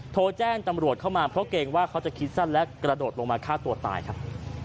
โทรแจ้งตำรวจเข้ามาเพราะเกรงว่าเขาจะคิดสั้นและกระโดดลงมาฆ่าตัวตายครับ